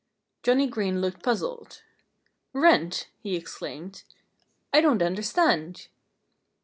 Johnnie Green looked puzzled. "Rent?" he exclaimed. "I don't understand."